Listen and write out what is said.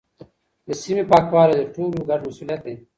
د سیمې پاکوالی د ټولو ګډ مسوولیت دی.